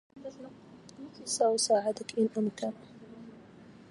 سأساعدك إن أمكن.